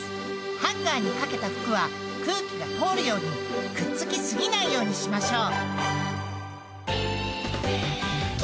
ハンガーにかけた服は空気が通るようにくっつきすぎないようにしましょう。